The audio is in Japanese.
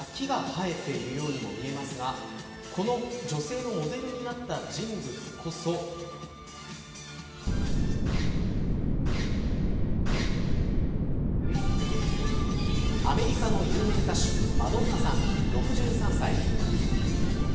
手術台のような台座の上で裸になった女性から木がはえているようにも見えますがこの女性のモデルになった人物こそアメリカの有名歌手マドンナさん、６３歳。